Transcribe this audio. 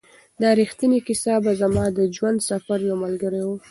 دا ریښتینې کیسه به زما د ژوند د سفر یو ملګری وي.